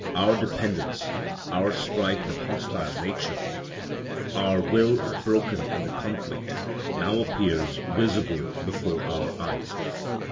Our dependence, our strife with hostile nature, our will broken in the conflict, now appears visibly before our eyes.